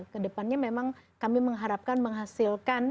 kedepannya memang kami mengharapkan menghasilkan